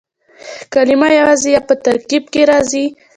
کلیمه یوازي یا په ترکیب کښي راځي.